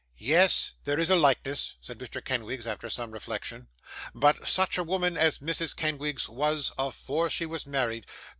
'Yes! there is a likeness,' said Mr. Kenwigs, after some reflection. 'But such a woman as Mrs. Kenwigs was, afore she was married!